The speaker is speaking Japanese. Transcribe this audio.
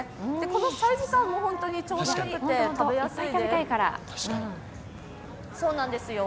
このサイズ感も本当にちょうどいいので食べやすいです。